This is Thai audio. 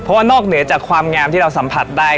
เพราะว่านอกเหนือจากความงามที่เราสัมผัสได้